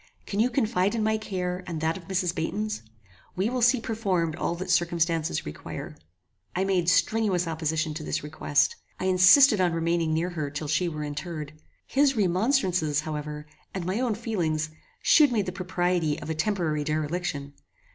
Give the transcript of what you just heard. Can you confide in my care, and that of Mrs. Baynton's? We will see performed all that circumstances require." I made strenuous opposition to this request. I insisted on remaining near her till she were interred. His remonstrances, however, and my own feelings, shewed me the propriety of a temporary dereliction.